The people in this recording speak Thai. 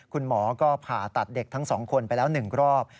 คุณหมอก็ผ่าตัดเด็กทั้ง๒คนไปแล้ว๑รอบ